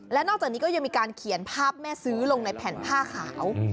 และนอกจากนี้ก็ยังมีการเขียนภาพแม่ซื้อลงในแผ่นผ้าขาว